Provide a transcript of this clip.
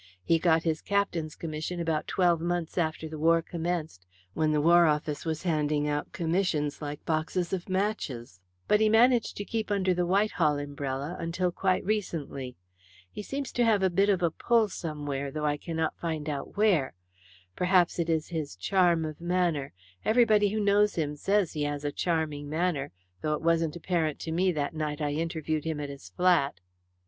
He got his captain's commission about twelve months after the war commenced, when the War Office was handing out commissions like boxes of matches, but he managed to keep under the Whitehall umbrella until quite recently. He seems to have a bit of a pull somewhere, though I cannot find out where. Perhaps it is his charm of manner everybody who knows him says he has a charming manner, though it wasn't apparent to me that night I interviewed him at his flat."